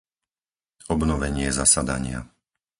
Obnovenie zasadania